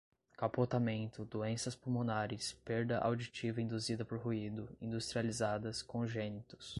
capotamento, doenças pulmonares, perda auditiva induzida por ruído, industrializadas, congênitos